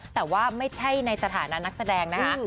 แต่ว่าไม่ใช่ในสถานะนักแสดงนะคะ